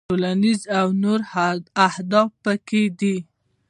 ټولنیز او نور اهداف هم پکې دي.